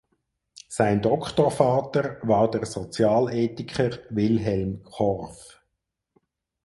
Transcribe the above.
Sein Doktorvater war der Sozialethiker Wilhelm Korff.